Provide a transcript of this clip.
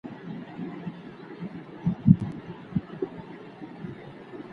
چې د څپو ځګلنو شونډو ته د شګو تلوسه ښکلوي